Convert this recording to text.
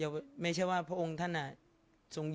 สงฆาตเจริญสงฆาตเจริญ